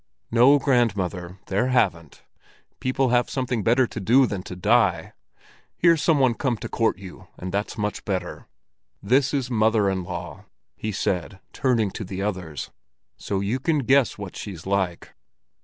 "No, grandmother, there haven't. People have something better to do than to die. Here's some one come to court you, and that's much better. This is mother in law," he said, turning to the others; "so you can guess what she's like."